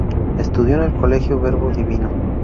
Estudio en el Colegio Verbo Divino.